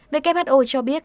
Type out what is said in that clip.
who cho biết